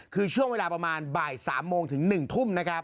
คือช่วงเวลาประมาณบ่าย๓โมงถึง๑ทุ่มนะครับ